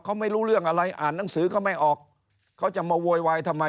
เขาไม่รู้เรื่องอะไรอ่านหนังสือเขาไม่ออกเขาจะมาโวยวายทำไม